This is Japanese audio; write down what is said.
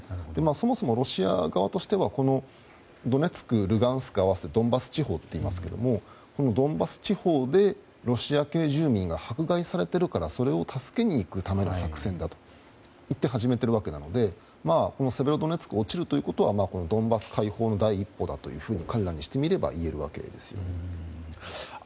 そもそも、ロシア側としてはドネツク、ルガンスクを合わせてドンバス地方と言いますがこのドンバス地方でロシア系住民が迫害されているから、それを助けに行くための作戦だといって始めているわけなのでセベロドネツクが落ちるということはドンバス解放の第一歩だというふうに彼らにしてみれば言えるわけですよね。